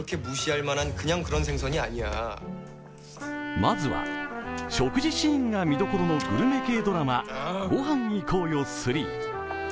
まずは、食事シーンが見どころのグルメ系ドラマ、「ゴハン行こうよ３」。